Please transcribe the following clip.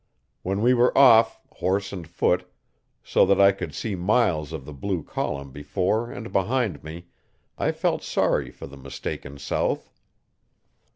When we were off, horse and foot, so that I could see miles of the blue column before and behind me, I felt sorry for the mistaken South.